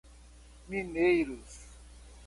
Mineiros